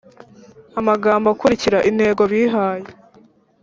amagambo akurikira intego bihaye